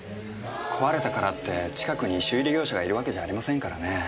壊れたからって近くに修理業者がいるわけじゃありませんからねえ。